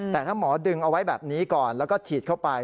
แต่ถ้าหมอดึงเอาไว้แบบนี้ก่อนแล้วก็ฉีดเข้าไป